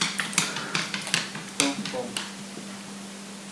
Tong hom.